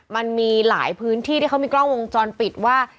มันมีหลายพื้นที่ที่เขามีกล้องวงจรปิดว่า